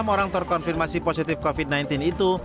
enam orang terkonfirmasi positif covid sembilan belas itu